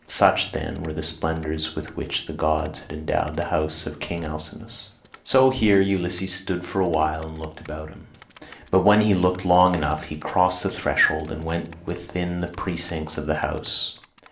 Such, then, were the splendours with which the gods had endowed the house of king Alcinous. So here Ulysses stood for a while and looked about him, but when he had looked long enough he crossed the threshold and went within the precincts of the house.